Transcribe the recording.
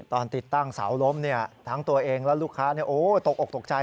ตอนติดตั้งเสาล้มทั้งตัวเองและลูกค้าตกออกตกใจ